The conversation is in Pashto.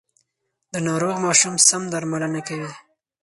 د ناروغ ماشوم سم درملنه کوي.